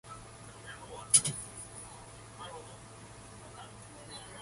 For details of the limited express trains, see the relevant articles.